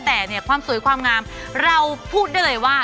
แต่เนี่ยความสวยความงามเราพูดได้เลยว่า